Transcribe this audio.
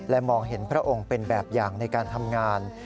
มองเห็นพระองค์เป็นแบบอย่างในการทำงาน